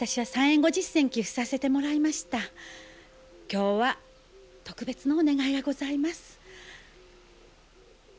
今日は特別のお願いがございます。